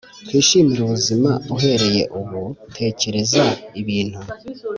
twishimire ubuzima uhereye ubu Tekereza ibintu